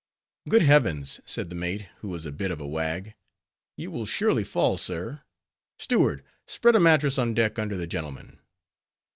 "Good heavens!" said the mate, who was a bit of a wag, "you will surely fall, sir! Steward, spread a mattress on deck, under the gentleman!"